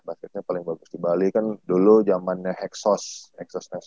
basketnya paling bagus di bali kan dulu jamannya hexos